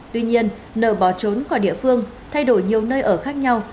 tuy nhiên nợ bỏ trốn khỏi địa phương thay đổi nhiều nơi ở khác nhau